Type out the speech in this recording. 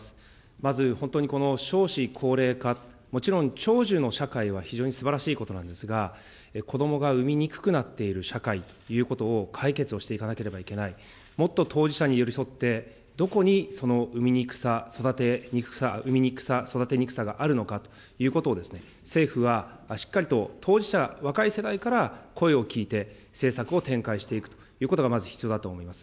まず、本当にこの少子高齢化、もちろん、長寿の社会は非常にすばらしいことなんですが、子どもが産みにくくなっている社会ということを、解決をしていかなければいけない、もっと当事者に寄り添って、どこにその産みにくさ、育てにくさ、産みにくさ、育てにくさがあるのかということを、政府はしっかりと当事者、若い世代から声を聞いて、政策を展開していくということがまず必要だと思います。